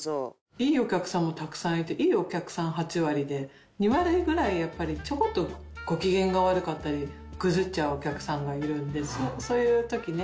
いいお客さんもたくさんいて２割ぐらいやっぱりちょこっとご機嫌が悪かったりグズっちゃうお客さんがいるんでそういう時ね